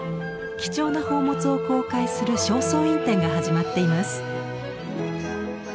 貴重な宝物を公開する「正倉院展」が始まっています。